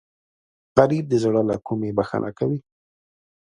غریب د زړه له کومې بښنه کوي